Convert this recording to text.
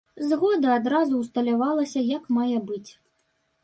Згода адразу ўсталявалася як мае быць.